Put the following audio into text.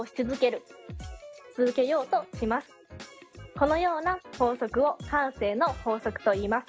このような法則を慣性の法則といいます。